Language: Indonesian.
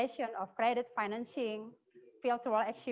dan jika anda melihat dari grup ini pekerja